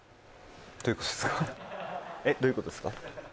どういうことですか？